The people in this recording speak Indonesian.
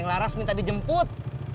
neng laras minta dijemput